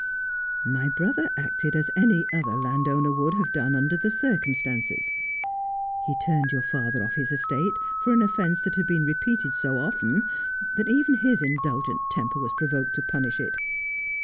' My brother acted as any other landowner would have done under the circumstances. He turned your father off his estate for an offence that had been repeated so often that even his indulgent temper was provoked to punish it.